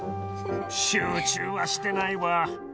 集中はしてないわ